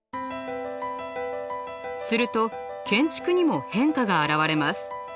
すると建築にも変化が現れます。